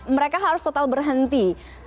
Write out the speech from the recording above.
mereka harus total berhenti